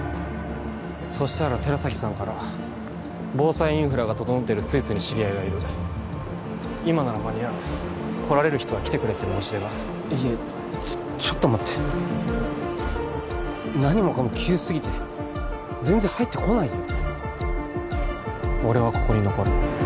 そしたら寺崎さんから防災インフラが整ってるスイスに知り合いがいる今なら間に合う来られる人は来てくれって申し出がいやちょっと待って何もかも急すぎて全然入ってこないよ